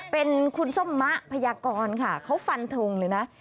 เป็นคุณส้มมะพยากรค่ะเขาฟันทงเลยนะ